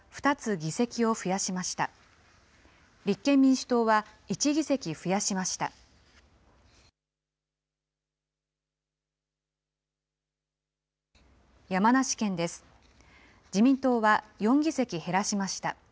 自民党は４議席減らしました。